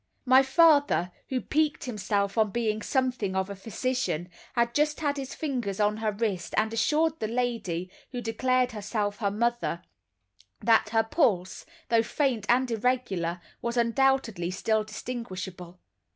My father, who piqued himself on being something of a physician, had just had his fingers on her wrist and assured the lady, who declared herself her mother, that her pulse, though faint and irregular, was undoubtedly still distinguishable.